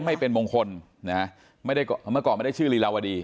ไม่เป็นมงคลเมื่อก่อนไม่ได้ชื่อลีลาวาดี